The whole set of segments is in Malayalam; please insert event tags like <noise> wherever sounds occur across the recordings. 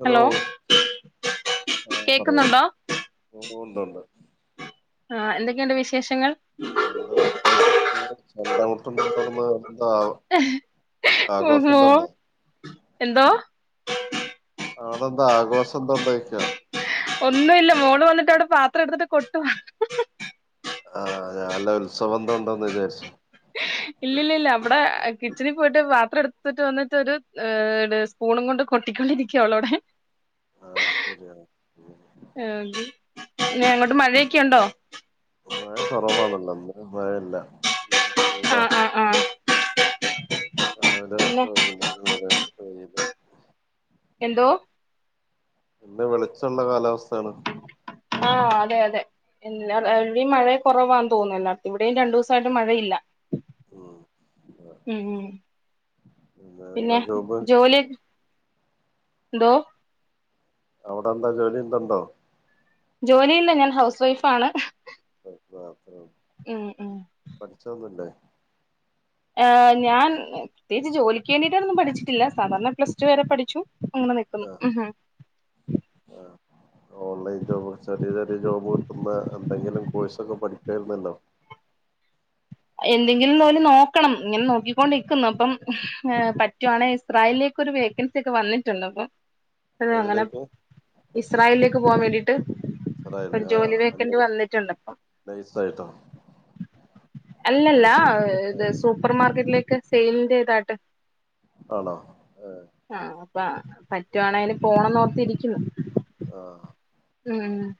ഹലോ ആ പറയാം കേക്കുന്നുണ്ടോ ഓ ഉണ്ട് ഉണ്ട് ആ എന്തൊക്കെയുണ്ട് വിശേഷങ്ങൾ എന്താ സുഖായിട്ട് സ്കൂളിൽ പഠിച്ചാ എന്താ ഊണ് ചുണ്ടന്റെഉടമ എന്തുണ്ടോ <unintelligible> എന്തോ ആടെന്താ ആഘോഷംഎന്താ ഉണ്ടോയ്ക്കാ ഒന്നുഇല്ല മോള് വന്നിട്ട് അവിടെ പാത്രം എടുത്തിട്ട് കൊട്ടുവാ ആഹ ഞാൻല്ല ഉത്സവം എന്തോ ഉണ്ടോന്ന് വിചാരിച്ചു ഇല്ലല്ല ഇല്ല ഇവടെ കിച്ചണീ പോയിട്ട് പാത്രം എടുത്തിട്ട് വന്നിട്ട് ഒരു സ്പൂണും കൊണ്ട് കൊട്ടിക്കൊണ്ടിരിക്കുവ അവവളവ്ടെ ആ ശരിയാണ് ന്നെ അങ്ങോട്ട് മഴയൊക്കെണ്ടോ മഴ കുറവാണല്ലോ ഇന്ന്പ്പോ മഴല്ല ആഹ് ചൂടാണ് ആഹ് ആഹ് രാവിലെ തൊട്ട് പിന്നെ വൈകുന്നേരം വരെ വെയില് എന്തോ ഇത് വെളിച്ചള്ള കാലാവസ്ഥേണ് ആഹ അതെ അതെ എല്ലാ എവിടിം മഴ കുറവാന്ന് തോന്നുല്ലോ ഇവിടെയും രണ്ടൂസായിട്ട് മഴയില്ല ഉം ആ, മം എന്താ പിന്നെ ജോബ് ജോലി എന്തോ അവിടെ എന്താ ജോലി എന്തണ്ടോ ജോലിയില്ല ഞാൻ ഹൗസ് വൈഫ ആണ് ഉം <unintelligible> പഠിച്ചൊന്നുംവില്ലേ ആ ഞാൻ പ്രത്യേകിച്ച് ജോലിക്ക് വേണ്ടിയിട്ടായിന്നും പഠിച്ചിട്ടില്ല സാധാരണ പ്ലസ് ടു വരെ പഠിച്ചു അങ്ങനെ നിക്കുന്നു ആ ഉം ആ ഓൺലൈൻ ജോബ് ചെറിയ ചെറിയ പഠിക്കേറുന്നല്ലോ എന്തെങ്കിലും തോലി നോക്കണം ഇങ്ങനെ നോക്കിക്കൊണ്ടിക്കുന്നു അപ്പം പറ്റുവാണെങ്ക ഇസ്രായേലിലേക്ക് ഒരു വേക്കൻസി ഒക്കെ വന്നിട്ടുണ്ട് അപ്പൊ അ അങ്ങനെ ഏതിലേക്ക് ഇസ്രായേലിലേക്ക് പോകാൻ വേണ്ടിട്ട് സറായില് ഇപ്പം ജോലി ആഹ് വെക്കേണ്ടി വന്നിട്ടുണ്ട് അപ്പം നൈസായിട്ടോ അല്ലല്ല നൈസ് ഇത് സൂപ്പർമാ മാർക്കറ്റിലേക്ക് സെയിലിൻ്റെ ഇതായിട്ട് ആണോ ഏഹ് അ പറ്റുവാണെങ്കന് പോണംന്ന് ഒർത്തിരിക്കുന്നു ആ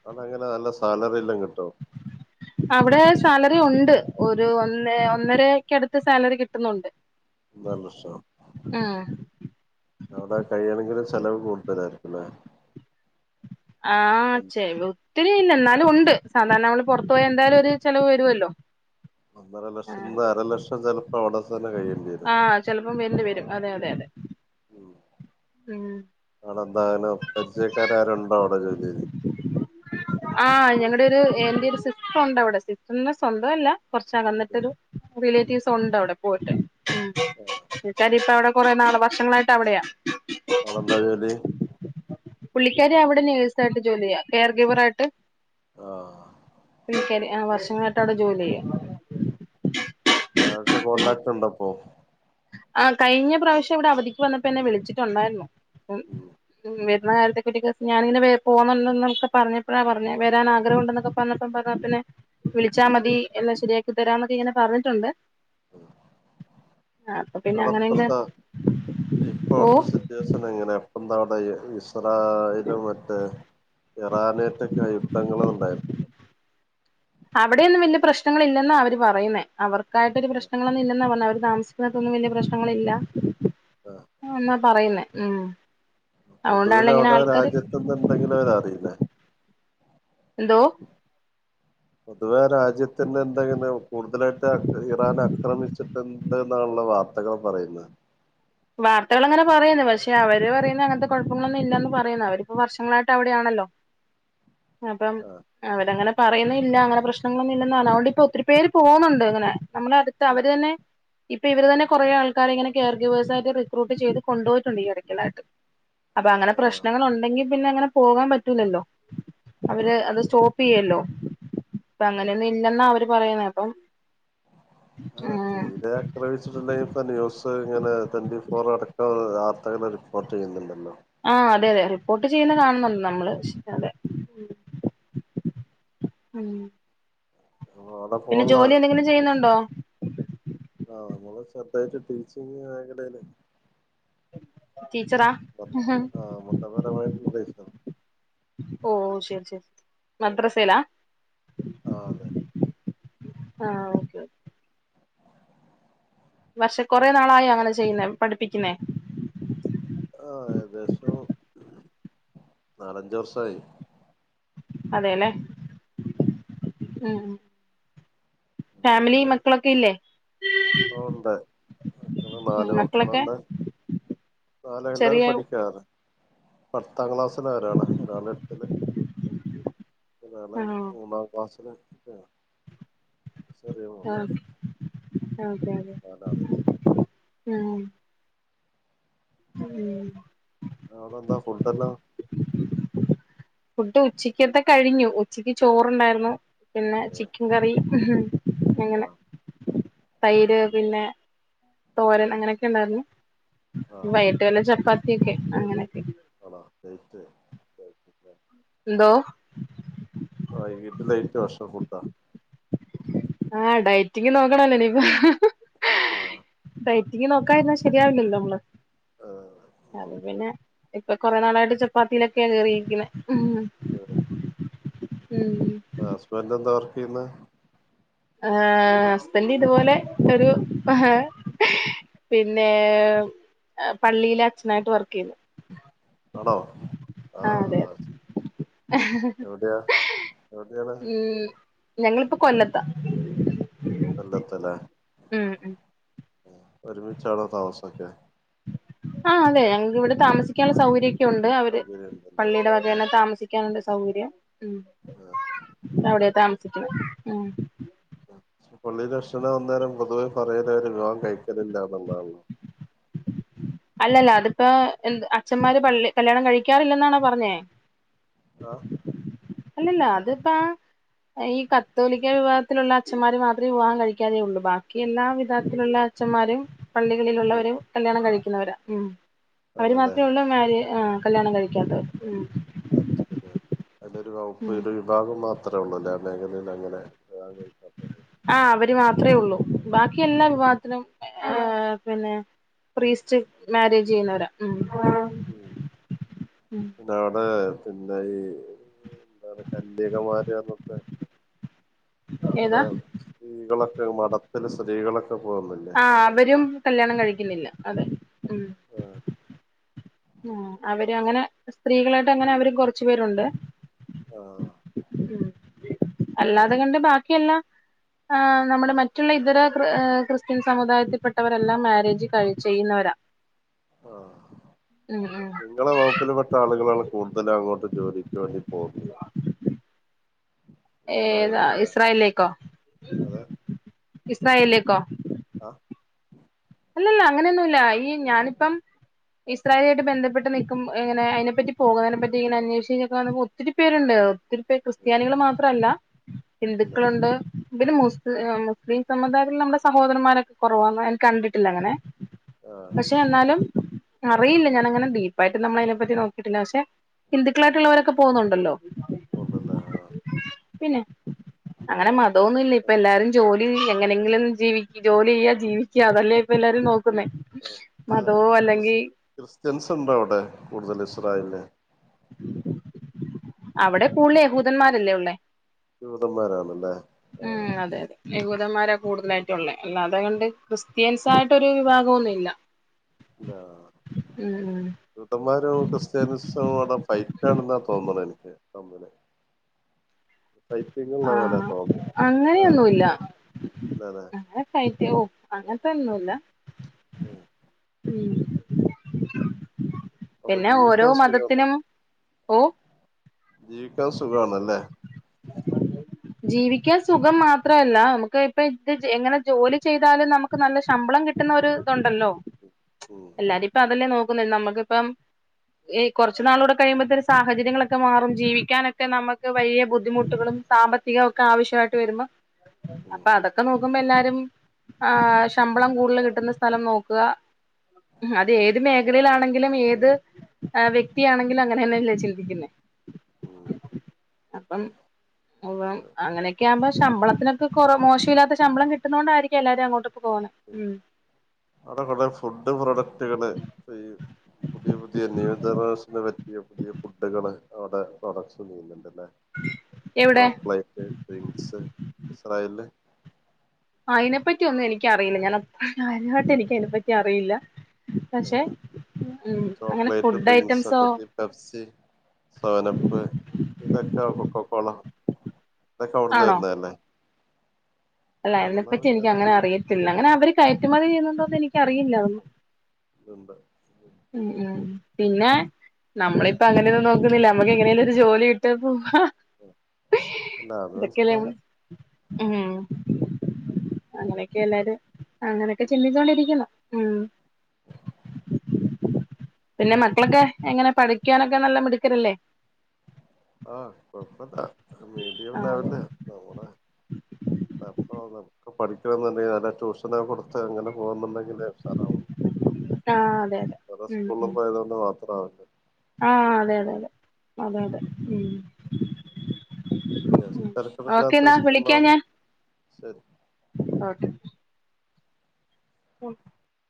അതങ്ങനെ നല്ല സ് സാലറി എല്ലം കിട്ടോ അവിടെ സാലറി ഉണ്ട് ഒരു ഒന്ന് ഒന്നരക്കടുത്ത് സാലറി കിട്ടുന്നുണ്ട് എന്ത പ്രശനം ഉം അവിടെ കഴിയണെങ്കിൽ ചെലവ് കൂടുതലായിരിക്കുല്ലേ ആഹച്ചെ ഒത്തിരി ഇല്ല എന്നാലും ഉണ്ട് സാധാരണ നമ്മൾ പുറത്തു പോയാ എന്തായാലും ഒരു ചെലവ് വരൊല്ലോ ഒന്നര ലക്ഷന് അര ലക്ഷം തരും ആഹ് ചെലപ്പോം വേണ്ടി വരും അതെ അതെ അതെ ഉം ഉം അവിടെ എന്തായാലു പരിചയക്കാരാരോണ്ടൊ അവിടെ ജോലിയില് ആഹ് ഞങ്ങടെ ഒരു എന്റെറെ ഒരു സിസ്റ്ററുണ്ട് അവിടെ സിസ്റ്ററിന്റെ സ്വന്തം അല്ല കൊറച്ചകന്നിട്ടരു റിലേറ്റീവ്സ് ഉണ്ട് അവടെ പോയിട്ട് <unintelligible> കൊറേ നാള് വഷങ്ങളായിട്ട് അവിടെയ ഔടെന്താ ജോലി പുള്ളിക്കാരി അവിടെ നേഴ്സായിട്ട് ജോലി ചെയ്യാം കെയർ കീ ബറായിട്ട് ആഹ് ശെരി ആ വർഷങ്ങളായിട്ട് അവിടെ ജോലി ചെയ്യ <unintelligible> കോണ്ടാക്ട് ഇണ്ടപ്പോ ആ കഴിഞ്ഞ പ്രാവശ്യം ഇവിടെ അവധിക്ക് വന്നപ്പോ എന്നെ വിളിച്ചിട്ടുണ്ടായിരുന്നു ഉം ഉം വരുന്ന കാലത്തെ കുട്ടിക്ക ഞാനിങ്ങനെ പോന്നണ്ട എന്നൊക്ക പറഞ്ഞപ്പോഴാ പറഞ്ഞ വരാൻ ആഗ്രഹം ഉണ്ടെന്നൊക്കെ പറഞ്ഞപ്പ പറഞ്ഞ പിന്നെ വിളിച്ചാൽ മതി എല്ലാം ശരിയാ ത്തരാ മതിങ്ങനെ പറഞ്ഞിട്ടുണ്ട് അപ്പൊ <inaudible> പിന്നെ അങ്ങനെയങ്ങ് അളപ്പത്തെ പോവും ഇപ്പോഴത്തെ സിറ്റുവേഷൻ എങ്ങനെയ എന്താ വ്ടെ <inaudible> <unintelligible> ഇത് മറ്റേ ഇറാനേറ്റക്കെ യുദ്ധങ്ങൾ ഉണ്ടായിരുന്നുണ്ട് അവിടെന്നും വല്ല്യ പ്രശ്നങ്ങളില്ലെന്ന അവര് പറയുന്നേ അവർക്ക് തായിട്ടൊരു പ്രശ്നങ്ങളൊന്നും ഇല്ലെന്ന പറഞ്ഞാ അവ താമസിക്കുന്നൊട്ത്തൊ ന്നും വല്ല്യപ്രശ്നങ്ങളില്ല ആ <unintelligible> എന്നാ പറയുന്നേ ഉം പൊതുവൽ അതുകൊണ്ടാണല്ലോ ഇങ്ങനെ അവിടെ ആൾക്കാര് രാജ്യത്ത്ന്നുണ്ടെങ്കിലും അവരറിയില്ലേ എന്തോ പൊതുവേ രാജ്യത്തി എന്തെ കൂടുതലായിട്ട് ഇറാൻ ആക്രമിച്ചിട്ട് എന്തെ ള്ള വാർത്തകൾ പറയുന്നത് വാർത്തകൾ അങ്ങനെ പറയുന്നു പക്ഷെ അവര് പറയുന്ന അങ്ങനത്തെ കുഴപ്പങ്ങളൊന്നും ഇല്ലന്ന് പറയുന്ന അവരിപ്പോ വർഷങ്ങളായിട്ട് അവിടെയാണല്ലോ അപ്പം ആഹ് അവടെങ്ങനെ പറയുന്നില്ലല്ല അങ്ങനെ പ്രശ്നങ്ങളൊന്നും ഇല്ല അുകൊണ്ട്ിപ്പൊ ഒത്തിരി പേര് പോകുന്നുണ്ട് ഇങ്ങനെ നമ്മള അടുത്ത് അവര് തന്നെ ഇപ്പ ഇര് തന്നെ കുറെ ആൾക്കാര് ഇങ്ങനെെയർഗിവേഴ്സ്യി് റിക്രൂട്ട് ചെയ്ത് കൊണ്ടുപോയിട്ടുണ്ട് ഈ ഇടക്കലായിട്ട് അപ്പൊ അങ്ങനെ ആഹ് പ്രശ്നങ്ങൾ ഉണ്ടെങ്കിൽ പിന്നെ അങ്ങനെ പോകാൻ പറ്റൂലല്ലോ അവര് ആഹ് അത് സ്റ്റോപ്പ് ചെയ്യല്ലോ അപ്പൊ ആഹ് അങ്ങനെയൊന്നും ഇല്ലെന്നാ അവര് പറയുന്ന അ <unintelligible> അല്ല തീരെ ആക്രമിച്ചിട്ടണ്ടെങ്കിൽപ്പൂസ് ഇങ്ങനെ ത ഇപ്പോറടക്കം വാർത്തകൾ റിപ്പോർട്ട് ചെയ്യുന്നുണ്ടല്ലോ ആഹ അതെ അതെ റിപ്പോർട്ട് ചെയ്യുന്ന കാണുന്നുണ്ട് നമ്മള് അതെ ഉം അവിടെ പിന്നെ പോലുള്ള ജോലി എന്തെങ്ങനെ ചെയ്യുന്നുണ്ടോ ആഹ് നമ്മള് ശ്രദ്ധായിട്ട് ടീച്ചിങ് മേഖലയില് ീച്ചറ <unintelligible> ആഹ് മതപരമായിട്ടുള്ള ദേശം ഓ ശരി ശരി മത്ര്രസേലാ ആ അതെ ആഹ ഓക്കെ പക്ഷെ കൊറെ നാളായി അങ്ങനെ ചെയ്യുന്ന പഠിപ്പിക്കുന്നേ ആ ഏകദേശം നാലഞ്ച വർഷമായി അതെല്ലേ ഉം ആഹ <unintelligible> ഫാമിലി പിന്നെ മക്കളൊക്കെ ഇല്ലേ ഉണ്ട് മക്കള് മക്കളൊക്കെ പാാല എല്ലാരും ചെറിയ പഠിക്കാറ് പത്താം ക്ലാസ്സില് ഒരാള് ഒരാള് എട്ടില് അാണ് ആഹ് മൂന്നാം ക്സില് അ ശരി അതെ അതെ ആ ഉ അടെ എന്താ ഫുഡ്ല്ലാം ഫുഡ് ഉച്ചക്ക്തെ കഴിഞ്ഞു ഉച്ചക്ക് ചോറുണ്ടായിരുന്നു പിന്നെ ചിക്കൻ കറി <unintelligible> എങ്ങനെ ആഹ് തൈര് ഉം പിന്നെ തോരൻ ഉം അങ്ങനെയൊക്കെ ഉണ്ടായിരുന്നു ആഹ് വൈകിട്ട് വല്ല ചപ്പാത്തി ക്കെ അങ്ങനെ ആണോ ചയ്റ്റ് ദോ വൈകീട്ട് ലേറ്റ് <unintelligible> ആഡയറ്റിങ് നോക്കണല്ലേ നീപ്പൊ ആ ഡെയ്റ്റിങ് നോക്കതിരുന്നാൽ ശരിയാവില്ലല്ലോ നമ്മള് അത് പിന്നെ ഇപ്പൊ കൊറെ നാളായിട്ട് ചപ്പാത്തിയിലൊക്കെകേറി യിരിക്കുന്നെ ഉം ഉം അസ്ബന്റ് എന്താ പറ യിന്ന് ആ ഹസ്ബന്റ് ഇതുപോലെ ഒരു പഹമതി പള്ളിയിലെ അച്ഛനായിട്ട് വർക്ക് ചെയുന്നു ആണോ ആ എവിടെയാ എവിടെയാണ് ഉം ഞങ്ങളിപ്പോ കൊല്ലാത്ത പന്നച്ചൻല്ലേ ഉം ഉം ഒരുമിച്ചാണോ താമസക്കേ ആ അതെ ഞങ്ങക്ക് ഇവിടെ താമസിക്കാനുള്ള സൗകര്യ ക്കെ ഉണ്ട് അവര് സൗകര്യണ്ടല്ലേ പള്ളിയുടെ വകേ ആ താമസിക്കാനണ്ട് സൗകര്യ ഉ ആ അവിടെതാമ അ പള്ളിലേ അച്ഛനാവും നേരം പൊതുവേ പറയൽ അവർ വിവാഹം കഴിക്കലില്ലാന്നുള്ളാതാണ് അല്ലല്ല അതിപ്പോ എ അച്ഛന്മാര് കല്യാണം കഴിക്കാറില്ലെന്നാനെ പറഞ്ഞേ ആ അല്ലല്ല അതിപ്പ ഈ കത്തോലിക്ക വിഭാഗത്തിലുള്ള അച്ഛന്മാര് മാത്രമേ വിവാഹം കഴിക്കാതേ ഉള്ളൂ ബാക്കി എല്ലാ വിധത്തിലുള്ള അച്ഛന്മാരും ആ പള്ളികളിലുള്ളവും കല്യാണം കഴിക്കും ക്കുന്നവരാ ഉ അവര് ആണല്ലേ മാത്രേ ഉൾ മേരെ കല്യാണം കഴികേ ക്കാത്ത് ഉം അച്ഛാന് അതെരു ഉം വകുപ്പിലെ വിഭാഗം മാത്രം അത്രേ ഉള്ളൂല്ലേ ആ മേഖലയിൽ അങ്ങനെ വിവാഹം കഴിക്കാത്തവര് ആ അവര് മാത്രമേ ഉള്ളൂ ബാക്കി എല്ലാ വിഭഗത്തിനും പിന്നെ പ്രീസ്റ്റ് മാരേജ് ചെയ്യുന്നവരാ ഉ ഉ പിെ അവിടെ പിന്നെ ഈ എ കന്യകമാര് എന്നൊക്കെ കുറേ ഏതാ സ്ത്രീകളൊക്കെ മഠത്തില്ൽ സ്ത്രീകളൊെ ആഹ അവരും കല്യാണം കഴിക്കുന്നില്ല അതെ ഉം ആ ഉ അവര് അങ്ങനെ സ്ത്രീകായിട്ട് അങ്ങെ അവര് കുറച്ച് അ പേരുണ്ട് ആ ഉ അല്ലാതെ കണ്ട് ബാക്കിയല്ല ആ് ഉം നമ്മുടെ മറ്റുള്ള ഇതര ക്രിസ്ത്യൻ സമുദായത്തിൽപ്പെട്ടവരെല്ലാം മാ കഴ ചെയ്യുന്നവരാ ആഹ ഉം ഉം നിങ്ങള വകുപ്പിൽ പെട്ട ആളുകളാണ് കൂടുതലും അങ്ങോട്ട് ജോലിക്ക് വേണ്ടി പോകുന്നത് ഏതാ ഇസ്രായേൽക്കില്ലേ ഇസ്രായേലേക്കോ അതെ ഇസ്രായേലേക്ക ആ അല്ല അങ്ങനൊന്നും ല്ല ഈ അതെ ഞാനിപ്പം ഇസ്രായേല ആട്ട് ബന്ധപ്പെട്ട് നിൽക്ക്പോ ഇങ്ങന അെ പറ്റി പോകുന്നതിനെ പറ്റി ഇങ്ങനെ അവേഷിച്ചിക്ക വൾ ഒത്തിരി പേരുണ്ട് ഒത്തിരി ഇപ്പ ക്രിസ്ത്യാനികള് അതെ മാത്രല്ല അല്ല ഹിന്ദുക്കളുണ്ട് പിന്നെ മുസ് മുസ്ലിം സമുദായത്തിൽ നമ്മുടെ സഹോദരമാരൊക്കെ കുറവാണോ കണ്ടിട്ട് അങ്ങനെ ആഹ് പക്ഷെ എന്നാലും അറിയില്ല ഉം ഞാനങ്ങനെ <unintelligible> പ്പായിട്ട് നമ്മളയിനെപ്പറ്റി നോക്കിട്ടില്ല പക്ഷെ ഉം, ഹിന്ദുക്കളായിട്ടുള്ളവരൊക്കെ പോകുന്നുണ്ടല്ലോ ഉണ്ടല്ലേ പിന്നെ അങ്ങനെ മതമൊന്നുംല്ല ഇപ്പൊ എല്ലാരും ജോലി എങ്ങനെങ്കിലും ജീവിക് ജോലി ചെയ്യ ജീവിക്ക്യ അതല്ലേ എല്ലാരും നോ അതെ അതെ ക്രിസ്ത്യൻസ് ഉണ്ടോ അവിടെ കൂടുതൽ ഇസ്രായേലില് അവിടെ കൂടുതൽ യഹൂദന്മാരല്ലേ ഉള്ളേ ജൂദന്മാരാണല്ലേ ആ ഉം അതെ അതെ യഹൂദന്മാരാ കൂടുതലായിട്ടും ഒള്ളേ അല്ലാതെ കണ്ട് ക്രിസ്ത്യൻസ് ആയിട്ടൊരു വിഭാഗൊന്നും ഇല്ല. ഇല്ലാ ഉം ഉം ജൂതന്മാരും ക്രിസ്ത്യാനിസോം അവിട ഫൈറ്റാണെന്നാ തോന്നുന്നതെനി ക്ക് തമ്മില് ഫൈറ്റിങ്ങുള്ള പോലെയാ ആഹ് തോന്നേ ആ അങ്ങനെയൊന്നുമില്ല ഇല്ല ലേ യ്യോ അങ്ങനത്തെയൊന്നുല്ല. ഉം <unintelligible> അവിടെ പിന്നെ ഓരോ ജീവിക്കാൻ സുഖാണ് മതത്തിനും ഓ ജീവിക്കാൻ സുഖാണല്ലേ? ജീവിക്കാൻ സുഖം മാത്രമല്ല, നമുക്ക് ഇപ്പൊ ഇത് എങ്ങനെ ജോലി ചെയ്താലും നമുക്ക് നല്ല ശമ്പളം കിട്ടുന്ന ഒരുതുണ്ടല്ലോ. ഉം എല്ലാരും ഇപ്പതല്ലേ നോക്കുന്നേ നമ്മൾ കിപ്പം കുറച്ചുനാളൂടെ കഴിയുമ്പോത്തേനു സാഹചര്യങ്ങളൊക്കെ മാറും ജീവിക്കാനൊക്കെ നമുക്ക് വലിയ ബുദ് ദ്ധിമുട്ടുകളും സാമ്പത്തികംഒക്കെ ആവശ്യമായിട്ട് വരുമ്പം ഉം അപ്പൊ അതൊക്കെ നോക്കുമ്പോ എല്ലാരും രും ആ ശമ്പളം കൂടുതല് കിട്ടുന്ന സ്ഥലം നോക്കുക ഉം അതേത് മേഖലേലാണെങ്കി ങ്കിലും ഏത് വ്യക്തിയാണെങ്കിലും അങ്ങനെ യന്നെല്ലേ ചിന്തിക്കുന്നേ. ഉം അപ്പം <unintelligible> അങ്ങനെയൊക്കെ. യാമ്പോ ശമ്പളത്തിനൊക്കെ കുറ മോശമില്ലാത്ത ശമ്പളം കിട്ടുന്നോണ്ടാരിക്കും എല്ലാരും അങ്ങോട്ടു അവിടെ കൊറേ ഫുഡ് പ്രൊഡക്ടുകള് സെയിൽ പുതിയ പുതിയ നിയന്ത്രണ <unintelligible> പുതിയ പുതിയ ഫുഡ്കള് അവടെ പ്രൊഡക്ട്സ് <unintelligible> <unintelligible> എവിടെ ചോക്ലേറ്റ്, ഡ്രിങ്ക്സ് ഇസ്രായെലില് അയിനെപ്പറ്റി ഒന്നും എനിക്കറിയില്ല, ഞാൻ അത്ര കാര്യായിട്ട് എനിക്കതിനെ പറ്റി അറിയില്ല. ആ പക്ഷെ ഉം ഈ അങ്ങനെ ചോക്ലേറ്റ്, ഫുഡ് ഡ്രിങ്ക്സ് ഐറ്റംസോ ഒക്കെ പെപ്സി, സെവനപ്പ് ഇതൊക്കെ കൊക്കോ കോള ഇതക്കവിടുന്ന് ആണോ വരുന്ന അല്ലേ? അല്ല അതിനെപ്പറ്റി എനിക്കങ്ങനെ എനിക്കറിയുന്നുണ്ട് അറിയത്തില്ല, അങ്ങനെ അവര് കയറ്റുമതി ചെയ്യുന്നുണ്ടോന്ന് എനിക്കറിയില്ല <unintelligible> <unintelligible> മ് മ് പിന്നെ നമ്മളിപ്പോ അങ്ങനെയൊന്നും നോക്കുന്നില്ല നമ്മുക്ക് എങ്ങനെലും ഒരു ജോലി കിട്ട് പോവാ. എല്ലാ അത് ഇതൊക്കെയല്ലേ നമ്മള് <unintelligible> ഉം അങ്ങനെയൊക്കെ എല്ലാരും അങ്ങനെയൊക്കെ ചിന്തിച്ചു കൊണ്ടിരിക്കുന്നു. മ് ഉ പിന്നെ മക്കളൊക്കെ എങ്ങനെ പഠിക്കാനൊക്കെ നല്ല മിടുക്കരല്ലേ? ആഹ് കൊഴപ്പല്ല. മീഡിയം ആഹ് ലെവലിലാ നമ്മളെ <unintelligible> ക്ക പഠിക്കണന്നുണ്ടേൽ നല്ല ട്യൂഷനെക്കെ കൊടുത്ത് അങ്ങനെ പോകുന്നുണ്ട അതെ ആഹ് അതെ അതെ <unintelligible> സ്കൂളിൽ പോയതോണ്ട് മാത് <unintelligible> ആ അതെ അതെ അതെ അതെ അതെ മ് അത്യാവശ്യം തരകേടില്ലാത്ത ഒരു വിളിക്കാം സ്കൂളിലാണ്. ഞാൻ ശെരി ഓക്കെ <unintelligible>